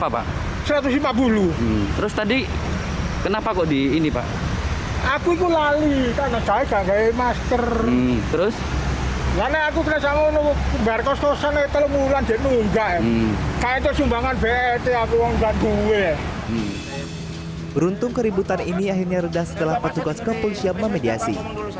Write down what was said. beruntung keributan ini akhirnya redah setelah petugas kepolisian memediasi